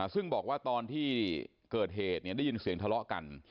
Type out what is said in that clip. ซึ่งบอกว่าตอนที่เกิดเหตุได้ยินเสียงทะเลาะกัน